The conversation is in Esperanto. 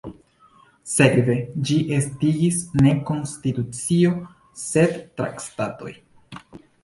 Sekve, ĝin estigis ne konstitucio sed traktatoj.